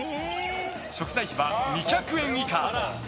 食材費は２００円以下。